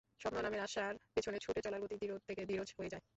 স্বপ্ন নামের আশার পেছনে ছুটে চলার গতি ধীর থেকে ধীরজ হয়ে যায়।